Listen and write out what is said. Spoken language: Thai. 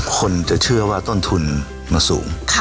คนจะเชื่อว่าต้นทุนมันสูง